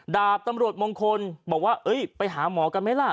ดาบตำรวจมงคลบอกว่าไปหาหมอกันไหมล่ะ